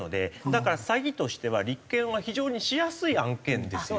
だから詐欺としては立件は非常にしやすい案件ですよね。